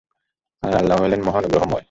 আর আল্লাহ হলেন মহা অনুগ্রহময়।